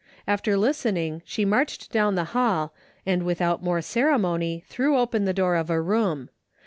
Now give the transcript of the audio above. After lis tening, she marched down the hall, and with out more ceremony threw open the door of a room.